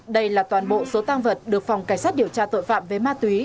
đây là toàn bộ số tăng vật được phòng cảnh sát điều tra tội phạm về ma túy